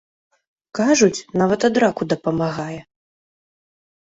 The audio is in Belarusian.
Кажуць, нават ад раку дапамагае.